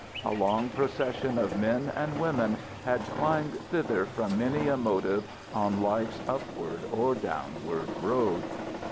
A long procession of men and women had climbed thither from many a motive on life's upward or downward road.